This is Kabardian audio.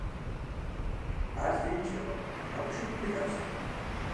Ар зеиншэкъым, абы шыпхъу иӀэщ.